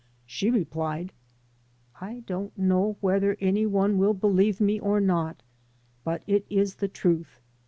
She replied: "I don't know whether any one will believe me or not, but it is the truth.